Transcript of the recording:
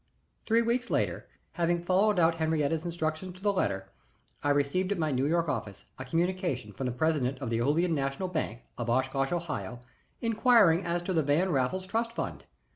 Three weeks later, having followed out Henriette's instructions to the letter, I received at my New York office a communication from the president of the Ohoolihan National Bank, of Oshkosh, Ohio, inquiring as to the Van Raffles trust fund.